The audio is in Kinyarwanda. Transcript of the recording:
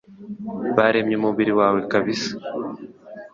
Byaremye umubiri wawe kabisa